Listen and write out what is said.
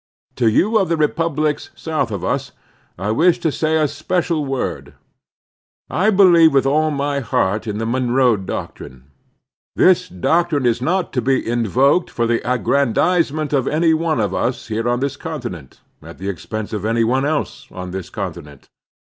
To you of the republics south of us, I wish to say a special word. I believe with all my heart in the Monroe Doctrine. This doctrine is not to be invoked for the aggrandizement of any one of M4 The Strenuous Life us here on this continent at the expense of any one else on this continent.